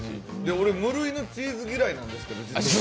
俺、無類のチーズ嫌いなんですけど。